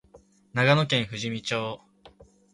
長野県富士見町